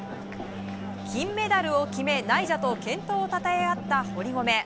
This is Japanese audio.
金メダルを決め、ナイジャと健闘をたたえ合った堀米。